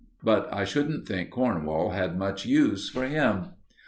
But I shouldn't think Cornwall had much use for him.